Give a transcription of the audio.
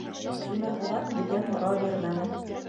Тимербулат бүтән һорау бирмәне.